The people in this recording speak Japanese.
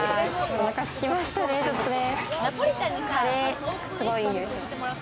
お腹すきましたね、ちょっとね。